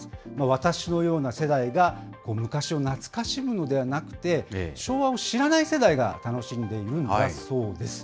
私のような世代が昔を懐かしむのではなくて、昭和を知らない世代が楽しんでいるんだそうです。